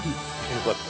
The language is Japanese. よかった。